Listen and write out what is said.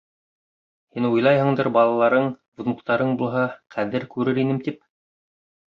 Һин уйлайһыңдыр балаларың, внуктарың булһа, ҡәҙер күрер инем тип.